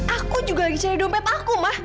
aku juga lagi cari dompet aku mah